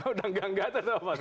udah ganggater atau apa itu